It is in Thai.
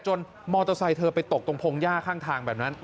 มอเตอร์ไซค์เธอไปตกตรงพงหญ้าข้างทางแบบนั้น